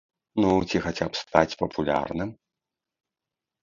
Ну ці хаця б стаць папулярным?